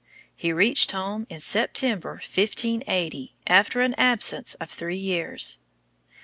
He reached home in September, 1580, after an absence of three years.